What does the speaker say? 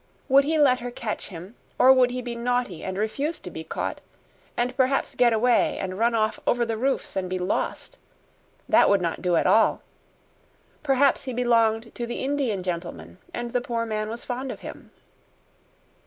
Would he let her catch him, or would he be naughty and refuse to be caught, and perhaps get away and run off over the roofs and be lost? That would not do at all. Perhaps he belonged to the Indian gentleman, and the poor man was fond of him.